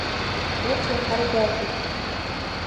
Урҭ иаҳа ргәаӷьып.